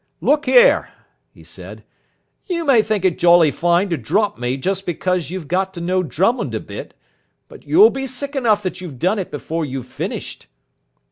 "Look here," he said, "you may think it jolly fine to drop me just because you've got to know Drummond a bit, but you'll be sick enough that you've done it before you've finished."